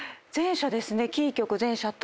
キー局全社と。